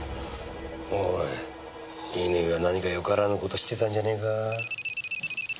おい乾は何かよからぬ事してたんじゃねえか？